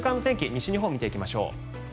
西日本を見ていきましょう。